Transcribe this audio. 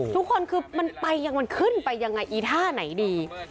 ทุกคนคือมันไปยังมันขึ้นไปยังไงอีท่าไหนดี